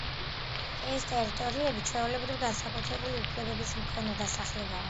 ეს ტერიტორიები ჩვეულებრივ განსაკუთრებული უფლებების მქონე დასახლებებია.